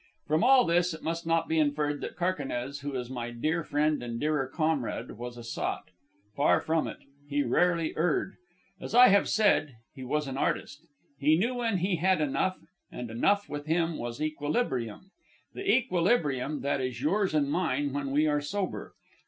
From all this it must not be inferred that Carquinez, who is my dear friend and dearer comrade, was a sot. Far from it. He rarely erred. As I have said, he was an artist. He knew when he had enough, and enough, with him, was equilibrium the equilibrium that is yours and mine when we are sober.